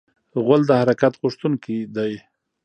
غول د حرکت غوښتونکی دی.